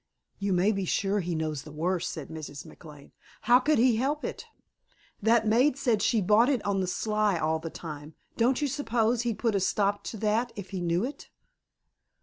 "You may be sure he knows the worst," said Mrs. McLane. "How could he help it?" "That maid said she bought it on the sly all the time. Don't you suppose he'd put a stop to that if he knew it?"